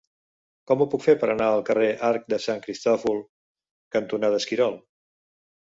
Com ho puc fer per anar al carrer Arc de Sant Cristòfol cantonada Esquirol?